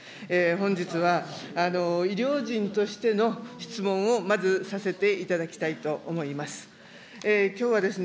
本日は医療人としての質問をまずさせていただきたいと思います。